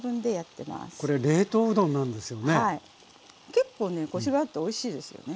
結構ねコシがあっておいしいですよね。